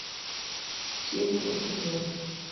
Chiemo opukore